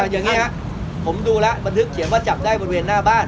อย่างนี้ครับผมดูแล้วบันทึกเขียนว่าจับได้บริเวณหน้าบ้าน